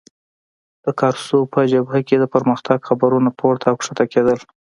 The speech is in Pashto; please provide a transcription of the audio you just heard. د کارسو په جبهه کې د پرمختګ خبرونه پورته او کښته کېدل.